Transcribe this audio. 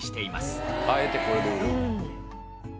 あえてこれで売る。